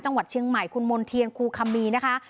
จังหวัดเชียงใหม่คุณมณ์เทียนครูคัมมีนะคะ